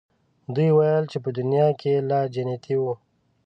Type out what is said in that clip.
دوی ویل چې په دنیا کې لا جنتیی وو.